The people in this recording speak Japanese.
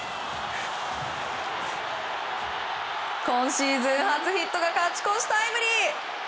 今シーズン初ヒットが勝ち越しタイムリー！